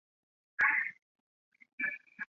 此为萧沆一生唯一一次接受文学奖。